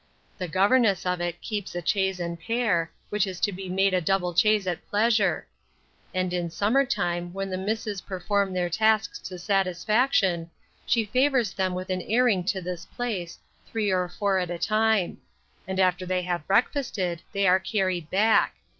The governess of it keeps a chaise and pair, which is to be made a double chaise at pleasure; and in summer time, when the misses perform their tasks to satisfaction, she favours them with an airing to this place, three or four at a time; and after they have breakfasted, they are carried back.